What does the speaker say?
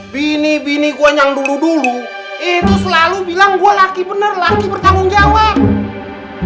bini bini gue yang dulu dulu itu selalu bilang gue laki benar laki bertanggung jawab